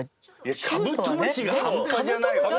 カブトムシが半端じゃない。